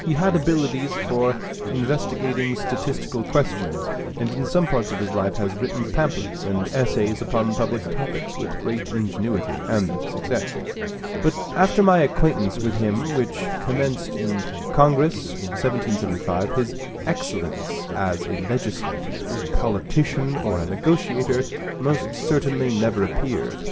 He had abilities for investigating statistical questions, and in some parts of his life has written pamphlets and essays upon public topics with great ingenuity and success; but after my acquaintance with him, which commenced in Congress in 1775, his excellence as a legislator, a politician, or a negotiator most certainly never appeared.